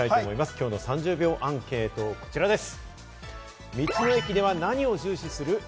今日の３０秒アンケートはこちらです。